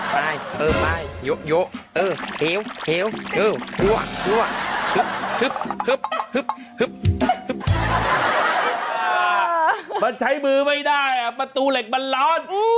มันใช้มือไม่ได้ประตูเหล็กมันร้อน